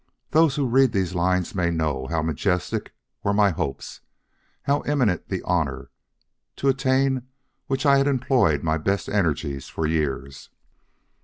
Those who read these lines may know how majestic were my hopes, how imminent the honor, to attain which I have employed my best energies for years.